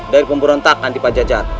dari pemberontakan di pajajar